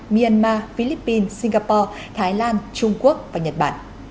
myanmar philippines singapore thái lan trung quốc và nhật bản